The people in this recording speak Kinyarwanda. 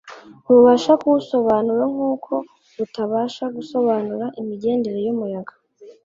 Ntubasha kuwusobanura nkuko utabasha gusobanura imigendere y’umuyaga